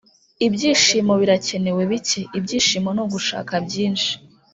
ibyishimo birakenewe bike. ibyishimo ni ugushaka byinshi